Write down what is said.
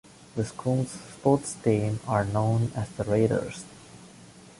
The school's sports teams are known as the Raiders.